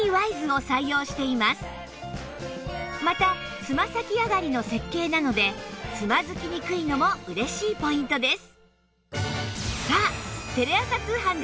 またつま先上がりの設計なのでつまずきにくいのも嬉しいポイントです